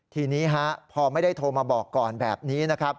ทีนี้พอไม่ได้โทรมาบอกก่อนแบบนี้นะครับ